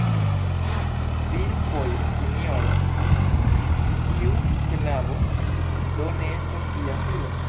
Diru foje, sinjoro, tiu knabo do ne estas via filo?